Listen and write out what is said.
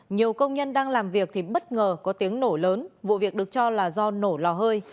nhiều công nhân đang làm việc thì bất ngờ có tiếng nổ lớn vụ việc được cho là do nổ lò hơi